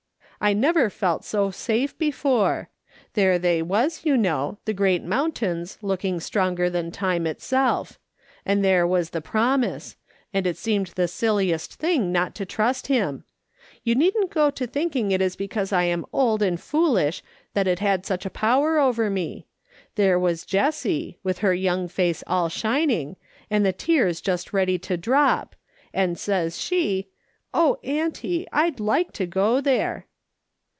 " I never felt so safe before. There they was, you know, the great mountains, looking stronger than time itself ; and there was the promise ; and it seemed the silliest thing not to trust him. You needn't go to thinking it is because I am old and foolish that it had such a power over me. There was Jessie, with her young face all shining, and the tears just ready to drop, and says she ;"' Oh, auntie, I'd like to go there.'